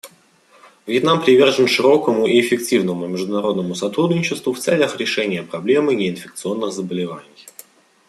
Вьетнам привержен широкому и эффективному международному сотрудничеству в целях решения проблемы неинфекционных заболеваний.